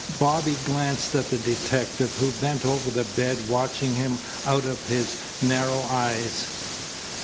Bobby glanced at the detective who bent over the bed watching him out of his narrow eyes.